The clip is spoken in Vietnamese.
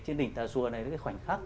trên đỉnh tà sua này cái khoảnh khắc